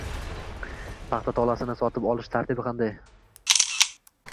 Paxta tolasini sotib olish tartibi qanday?